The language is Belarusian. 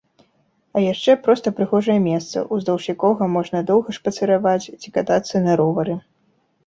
А яшчэ проста прыгожае месца, уздоўж якога можна доўга шпацыраваць ці катацца на ровары.